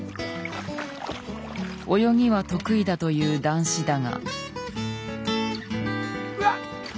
泳ぎは得意だという談志だが。